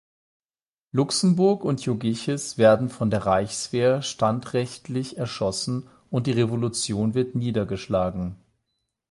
Luxemburg und Jogiches werden von der Reichswehr standrechtlich erschossen und die Revolution wird niedergeschlagen.